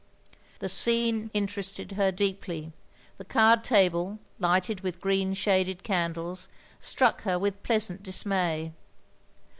The scene interested her deeply: the card table, lighted with green shaded candles, struck her with pleasant dismay.